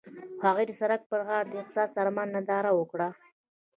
هغوی د سړک پر غاړه د حساس آرمان ننداره وکړه.